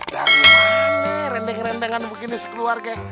dari mana rendeng rendengan begini sekeluarga